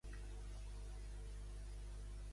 I Henry McLeish què proclama?